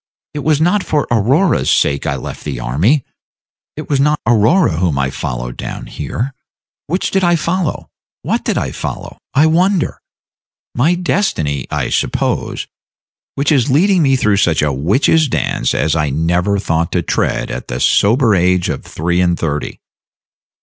It was not for Aurora's sake I left the army, it was not Aurora whom I followed down here. Which did I follow? What did I follow, I wonder? My destiny, I suppose, which is leading me through such a witch's dance as I never thought to tread at the sober age of three and thirty.